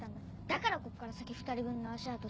だからこっから先２人分の足跡しかない。